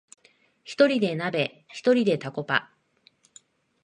ひとりで鍋、ひとりでタコパ